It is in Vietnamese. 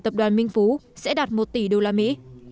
tập đoàn minh phú sẽ đạt một tỷ đô la mỹ